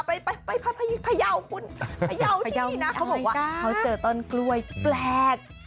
ไปพะเยาคุณพะเยาคุณน่ะเค้าบอกว่าเค้าเจอต้นกล้วยแปลก